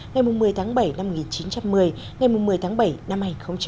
ngày một mươi tháng bảy năm một nghìn chín trăm một mươi ngày một mươi tháng bảy năm hai nghìn hai mươi